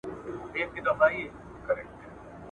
د غلیم جنګ ته وروتلي تنها نه سمیږو `